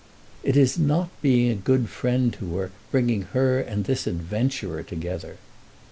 "It is not being a good friend to her, bringing her and this adventurer together."